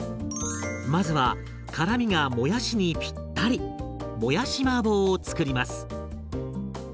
まずは辛みがもやしにぴったりもやしマーボーを作ります。